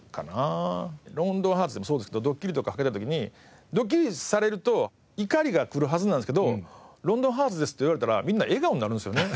『ロンドンハーツ』でもそうですけどドッキリとかかけた時にドッキリされると怒りがくるはずなんですけど『ロンドンハーツ』ですって言われたらみんな笑顔になるんですよね。